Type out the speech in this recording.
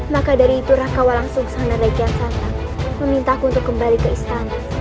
maka dari itu rakawa langsung sang dan raikian santang memintaku untuk kembali ke istana